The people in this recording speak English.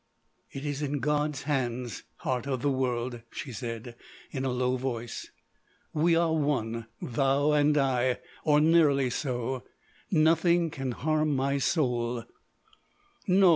"It is in God's hands, Heart of the World," she said in a low voice. "We are one, thou and I,—or nearly so. Nothing can harm my soul." "No....